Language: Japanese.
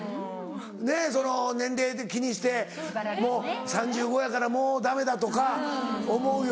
ねっその年齢で気にしてもう３５歳やからもうダメだとか思うより。